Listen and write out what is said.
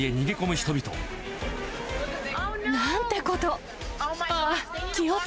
なんてこと。